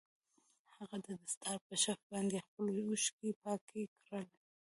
هغه د دستار په شف باندې خپلې اوښکې پاکې کړې.